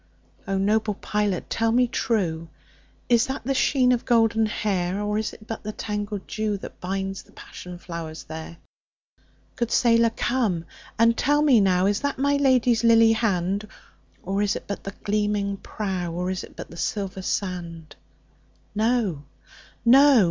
O noble pilot tell me trueIs that the sheen of golden hair? Or is it but the tangled dewThat binds the passion flowers there? Good sailor come and tell me nowIs that my Lady's lily hand? Or is it but the gleaming prow, Or is it but the silver sand? No! no!